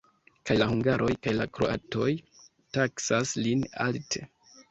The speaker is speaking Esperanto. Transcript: Kaj la hungaroj, kaj la kroatoj taksas lin alte.